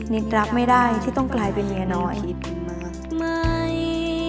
นิดรับไม่ได้ที่ต้องกลายเป็นเมียน้อยมากไหม